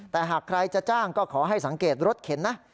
แต่หากใครจะจ้างก็ขอให้สังเกตรถเข็นนะ